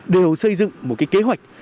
đều xây dựng một kế hoạch